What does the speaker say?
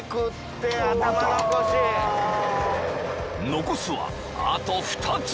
［残すはあと２つ］